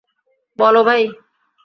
বল, ভাই।